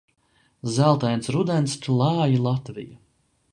Zeltains rudens klāj Latviju.